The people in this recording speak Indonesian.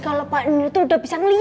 kalo pak mir tuh udah bisa ngeliatnya